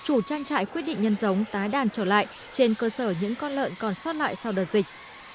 ở những con lợn còn sót lại sau đợt dịch